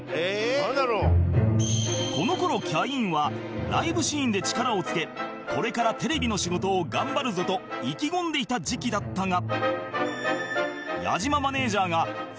この頃キャインはライブシーンで力をつけこれからテレビの仕事を頑張るぞと意気込んでいた時期だったが